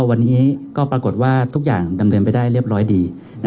วันนี้ก็ปรากฏว่าทุกอย่างดำเนินไปได้เรียบร้อยดี